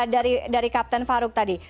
dari kapten farouk tadi